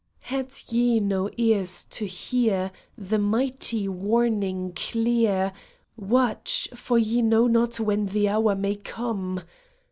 Had ye no ears to hear The mighty warning clear, '^ Watch, for ye know not when the hour may come